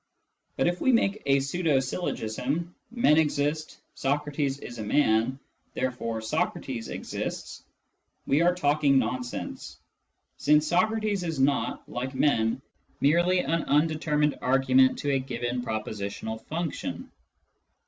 But if we make a pseudo syllogism :" Men exist, Socrates is a man, therefore Socrates exists," we are talking nonsense, since " Socrates " is not, like " men," merely an un determined argument to a given prepositional function.